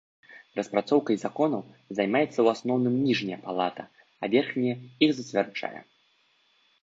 Распрацоўкай законаў займаецца ў асноўным ніжняя палата, а верхняя іх зацвярджае.